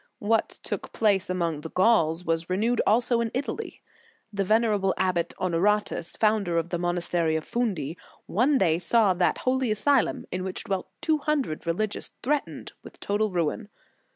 * What took place among the Gauls was renewed also in Italy. The venerable abbot, Honoratus, founder of the monastery of Fundi, one day saw that holy asylum, in which dwelt two hundred religious, threatened with total ruin.